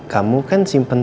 kamu kan simpen